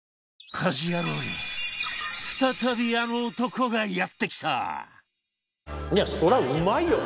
『家事ヤロウ！！！』に再びあの男がやって来た！